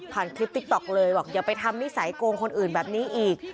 คลิปติ๊กต๊อกเลยบอกอย่าไปทำนิสัยโกงคนอื่นแบบนี้อีก